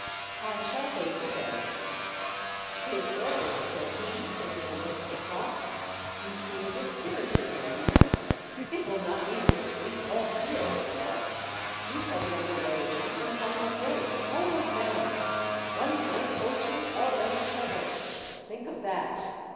*' I shall q o to bed." *' 'Tis early," said he, sending a look at the clock; "you seem dispirited, my dear. It will not be this brief halt here, I trust ? We shall be under weigh again in a couple of days, homeward bound — one great ocean already traversed. Think of that